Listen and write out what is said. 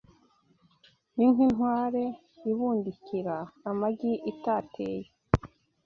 ni nk’inkware ibundikira amagi itateye.